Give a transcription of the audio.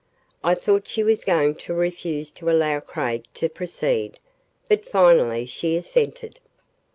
I thought she was going to refuse to allow Craig to proceed. But finally she assented.